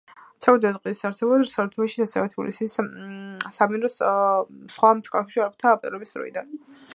სავარაუდოა ყადის არსებობა თბილისშიც, ასევე თბილისის საამიროს სხვა ქალაქებში არაბთა ბატონობის დროიდან.